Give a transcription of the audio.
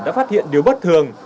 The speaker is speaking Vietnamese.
đã phát hiện điều bất thường